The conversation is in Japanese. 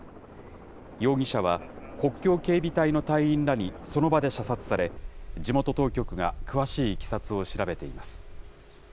容疑者は、国境警備隊の隊員らにその場で射殺され、地元当局が詳しいいきさつを調べています。